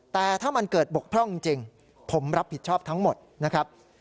แต่ถ้ามันเกิดบกพร่องจริงผมรับผิดชอบทั้งหมดนะครับ